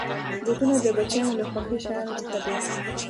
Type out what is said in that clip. بوټونه د بچیانو له خوښې شيانو څخه دي.